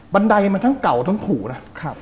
ไดมันทั้งเก่าทั้งผูนะ